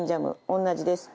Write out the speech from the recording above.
同じです。